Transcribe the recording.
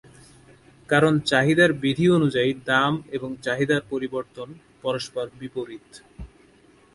কারণ চাহিদা বিধি অনুযায়ী দাম এবং চাহিদার পরিবর্তন পরস্পর বিপরীত।